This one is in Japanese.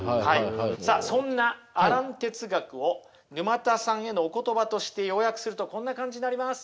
さあそんなアラン哲学を沼田さんへのお言葉として要約するとこんな感じになります。